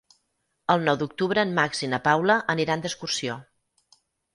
El nou d'octubre en Max i na Paula aniran d'excursió.